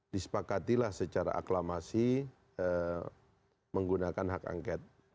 disepakatilah secara aklamasi menggunakan hak angket